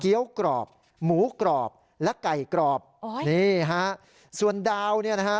กรอบหมูกรอบและไก่กรอบอ๋อนี่ฮะส่วนดาวเนี่ยนะฮะ